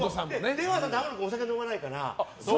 出川さんと天野君はお酒飲まないから。